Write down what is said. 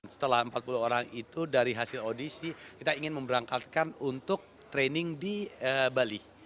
setelah empat puluh orang itu dari hasil audisi kita ingin memberangkatkan untuk training di bali